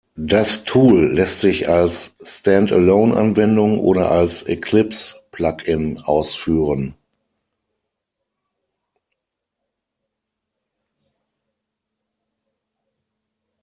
Das Tool lässt sich als Standalone-Anwendung oder als Eclipse-Plugin ausführen.